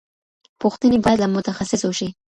پوښتنې باید له متخصص وشي.